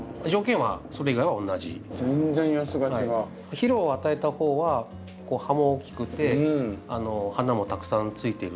肥料を与えた方は葉も大きくて花もたくさんついている。